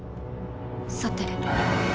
さて。